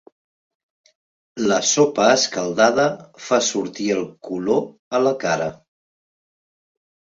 La sopa escaldada fa sortir el color a la cara.